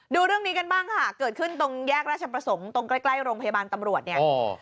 ดูเรื่องนี้กันบ้างค่ะเกิดขึ้นตรงแยกราชประสงค์ตรงใกล้ใกล้โรงพยาบาลตำรวจเนี่ย